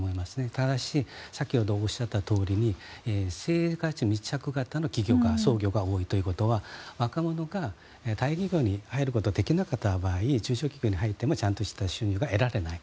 ただし先ほどおっしゃったとおりに生活密着型の起業、創業が多いということは若者が大企業に入ることができなかった場合中小企業に入ってもちゃんとした収入が得られない。